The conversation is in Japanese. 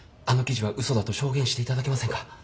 あの記事はうそだと証言して頂けませんか？